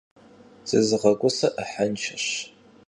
Zızığeguse 'ıhenşşeş.